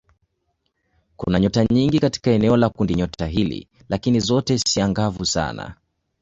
Kuna nyota nyingi katika eneo la kundinyota hili lakini zote si angavu sana.